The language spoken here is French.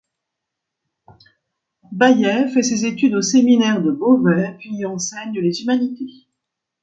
Baillet fait ses études au séminaire de Beauvais, puis y enseigne les humanités.